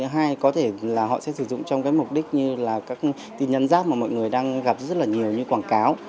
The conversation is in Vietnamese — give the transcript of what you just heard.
hai có thể là họ sẽ sử dụng trong cái mục đích như là các tin nhắn rác mà mọi người đang gặp rất là nhiều như quảng cáo